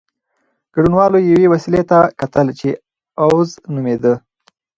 ګډونوالو یوې وسيلې ته کتل چې "اوز" نومېده.